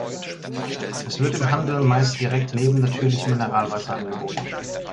Es wird im Handel meist direkt neben natürlichem Mineralwasser angeboten.